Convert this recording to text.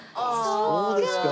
そうですか。